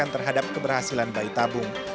terhadap keberhasilan bayi tabung